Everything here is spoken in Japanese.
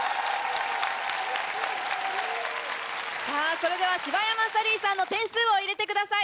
それでは柴山サリーさんの点数を入れてください。